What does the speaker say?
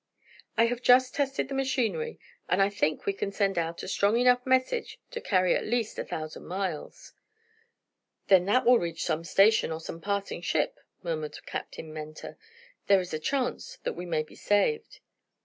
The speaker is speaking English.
"I have just tested the machinery, and I think we can send out a strong enough message to carry at least a thousand miles." "Then that will reach some station, or some passing ship," murmured Captain Mentor. "There is a chance that we may be saved."